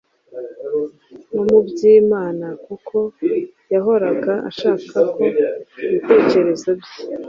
no mu by’Imana kuko yahoraga ashaka ko ibitekerezo bye